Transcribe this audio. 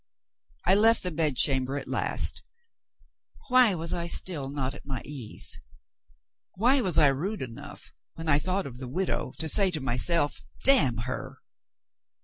I left the bedchamber at last. Why was I still not at my ease? Why was I rude enough, when I thought of the widow, to say to myself, "Damn her!"